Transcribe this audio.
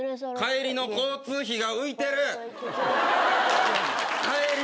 帰りの交通費が浮いて。